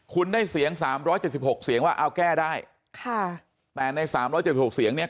คุณได้เสียง๓๗๖เสียงว่าเอาแก้ได้ค่ะแต่ใน๓๗๖เสียงเนี่ย